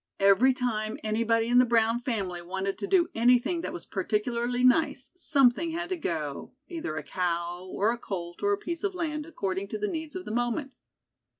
Every time anybody in the Brown family wanted to do anything that was particularly nice, something had to go, either a cow or a colt or a piece of land, according to the needs of the moment.